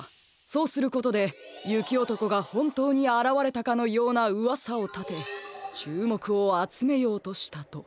そうすることでゆきおとこがほんとうにあらわれたかのようなうわさをたてちゅうもくをあつめようとしたと。